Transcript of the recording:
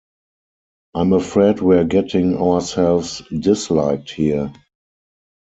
I'm afraid we're getting ourselves disliked here.